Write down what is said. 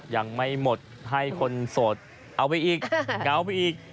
ยังไม่หมดให้คนโสดเอาไปอีกเหงาไปอีก